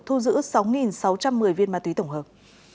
tăng vật thu giữ sáu sáu trăm một mươi viên ma túy tổng hợp